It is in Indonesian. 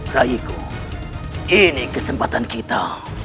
rayiku ini kesempatan kita